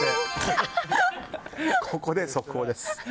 ここで速報です。